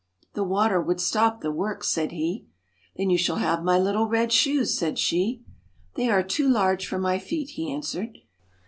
'The water would stop the works,' said he. 'Then you shall have my little red shoes/ said she. ' They are too large for my feet,' he answered.